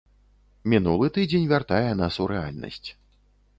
Мінулы тыдзень вяртае нас у рэальнасць.